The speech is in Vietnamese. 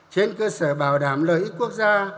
trên cơ sở bảo đảm lợi ích quốc gia